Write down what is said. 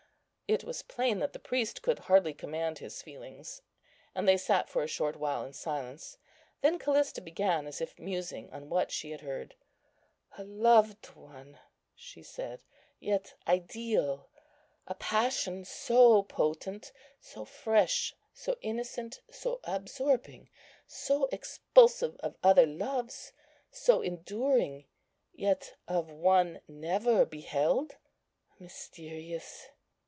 It was plain that the priest could hardly command his feelings, and they sat for a short while in silence. Then Callista began, as if musing on what she had heard. "A loved One," she said, "yet ideal; a passion so potent, so fresh, so innocent, so absorbing, so expulsive of other loves, so enduring, yet of One never beheld;—mysterious!